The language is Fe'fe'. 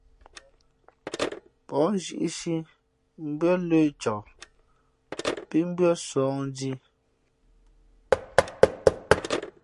Pα̌h nzhíʼsī mbʉ́ά lə̄ cak pǐ mbʉ́ά sǒh ndhī.